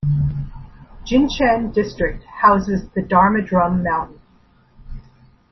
Jinshan District houses the Dharma Drum Mountain.